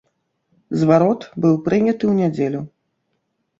Зварот быў прыняты ў нядзелю.